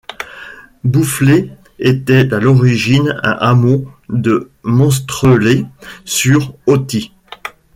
Boufflers était à l’origine un hameau de Monstrelet-sur-Authie.